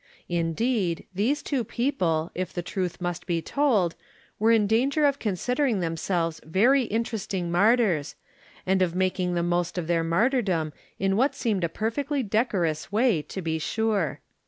Indeed, these two people, if the truth must be told, were in danger of considering themselves very interest ing martyrs, and of making the most of their martyrdom in what seemed a perfectly decorous way, to be sure.